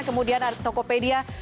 kemudian ada tokopedia